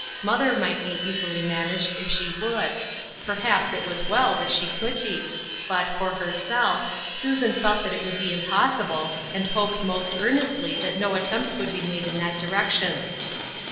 Mother might be easily managed, if she would ; perhaps it was well that she could be. But, for herself, Susan felt that it would be impossible, and hoped most earnest ly that no attempt would be made in that direc tion.